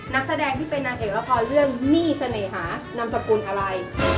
นักแสดงที่เป็นนางเอกละครเรื่องหนี้เสน่หานามสกุลอะไร